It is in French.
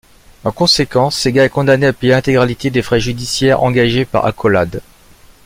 En conséquence, Sega est condamné à payer l'intégralité des frais judiciaires engagés par Accolade.